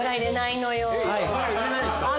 油入れないんですか？